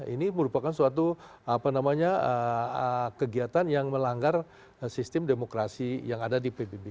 ini merupakan suatu kegiatan yang melanggar sistem demokrasi yang ada di pbb